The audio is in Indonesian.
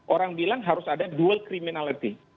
orang bilang harus ada dual criminality